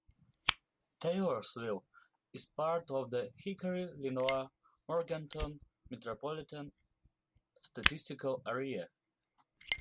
Taylorsville is part of the Hickory-Lenoir-Morganton Metropolitan Statistical Area.